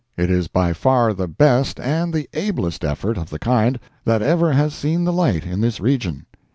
It is by far the best and the ablest effort of the kind that ever has seen the light in this region.